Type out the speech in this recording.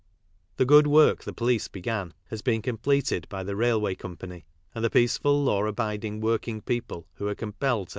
The good work the police began r>Z f ?, COm P£* e . d by th ! railwa y comply, and the peaceful law abiding working people who are com STij ^°